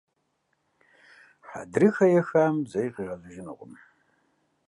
Хьэдрыхэ ехам зэи къигъэзэжынукъым.